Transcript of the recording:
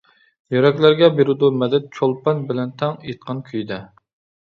يۈرەكلەرگە بېرىدۇ مەدەت چولپان بىلەن تەڭ ئېيتقان كۈيىدە.